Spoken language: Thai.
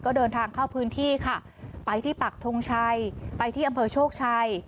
ก็เดินทางเข้าพื้นที่ค่ะไปที่ปักทงชัยไปที่อำเภอโชคชัย